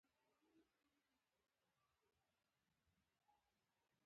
سوداګرۍ او تفریح باید د ښاري چاپېریال سره مطابقت ولري.